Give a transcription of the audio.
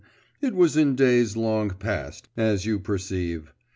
it was in days long past, as you perceive.